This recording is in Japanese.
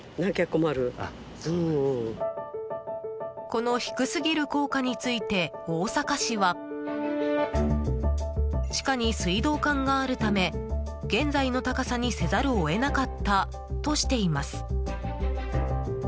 この低すぎる高架について大阪市は地下に水道管があるため現在の高さにせざるを得なかったとしています。